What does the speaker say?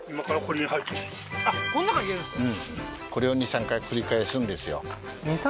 この中に入れるんですか？